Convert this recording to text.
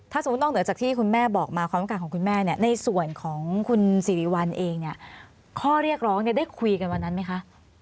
ถ้าสมมุตินอกเหนือจากที่คุณแม่บอกมาความต้องการของคุณแม่เนี่ยในส่วนของคุณสิริวัลเองเนี่ยข้อเรียกร้องเนี่ยได้คุยกันวันนั้นไหมคะ